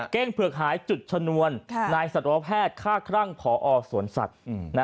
เก้งเผือกหายจุดชนวนนายสัตวแพทย์ฆ่าครั่งผอสวนสัตว์